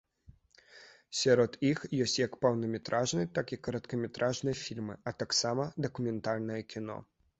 Сярод іх ёсць як поўнаметражныя, так і кароткаметражныя фільмы, а таксама дакументальнае кіно.